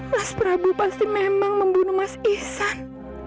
mas prabu pasti memang membunuh mas ihsan